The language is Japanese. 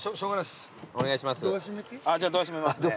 お願いします。